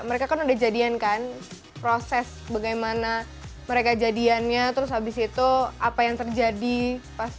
mereka kan udah jadian kan proses bagaimana mereka jadiannya terus habis itu apa yang terjadi pas